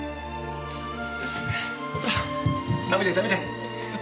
さあ食べて食べて。